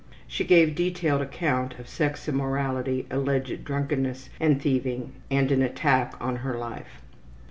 She gave detailed account of sex immorality, alleged drunkenness and thieving, and an attack on her own life.